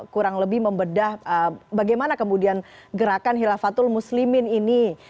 kurang lebih membedah bagaimana kemudian gerakan khilafatul muslimin ini